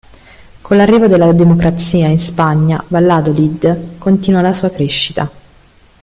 Con l'arrivo della democrazia in Spagna, Valladolid continua la sua crescita.